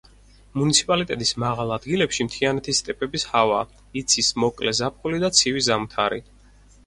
მუნიციპალიტეტის მაღალ ადგილებში მთიანეთის სტეპების ჰავაა, იცის მოკლე ზაფხული და ცივი ზამთარი.